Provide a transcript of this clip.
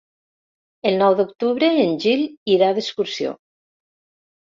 El nou d'octubre en Gil irà d'excursió.